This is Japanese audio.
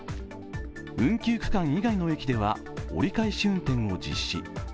運休区間以外の駅では折り返し運転を実施。